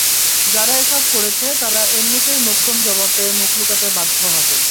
যারা এসব করেছে, তারা এমনিতেই মোক্ষম জবাব পেয়ে মুখ লুকাতে বাধ্য হবে।